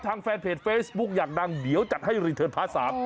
ทางแฟนเพจเฟซบุ๊กอยากดังเดี๋ยวจัดให้รีเทิร์นพาร์ท๓